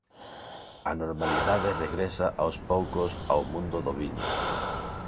A normalidade regresa aos poucos ao mundo do viño.